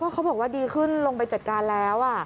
เขาบอกว่าดีขึ้นลงไปจัดการแล้ว